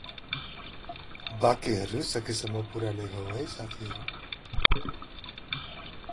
वाक्यहरु सकेसम्म पुरा लेखौ है साथीहरु ।